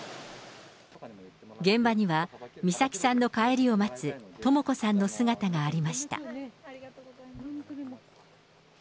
現場には、美咲さんの帰りを待つ、とも子さんの姿がありました。